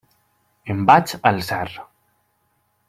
Em vaig alçar.